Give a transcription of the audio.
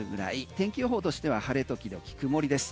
天気予報としては晴れ時々曇りです。